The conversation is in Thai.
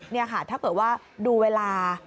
นี่ค่ะถ้าเกิดว่าดูเวลา